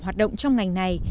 hoạt động trong ngành này